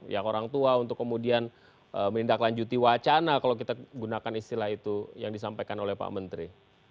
yang orang tua untuk kemudian menindaklanjuti wacana kalau kita gunakan istilah itu yang disampaikan oleh pak menteri